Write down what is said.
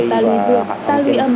ta luy dương ta luy âm